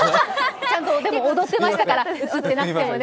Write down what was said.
ちゃんと踊ってましたから映ってなくてもね。